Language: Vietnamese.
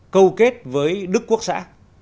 câu kết với đức quốc xã